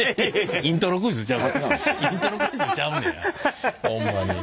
イントロクイズちゃうねやホンマに。